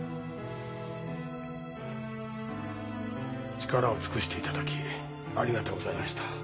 力を尽くしていただきありがとうございました。